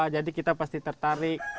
jadi kita pasti tertarik